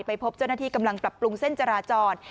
พบเจ้าหน้าที่กำลังปรับปรุงเส้นจราจร